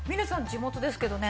地元ですけどね。